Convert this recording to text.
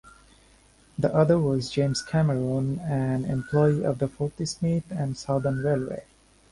The other was James Cameron, an employee of the Fort Smith and Southern Railway.